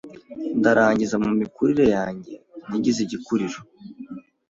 ndarangiza. Mu mikurire yanjye, nagize igikuriro